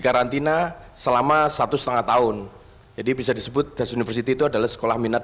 karantina selama satu setengah tahun jadi bisa disebut gas university itu adalah sekolah minat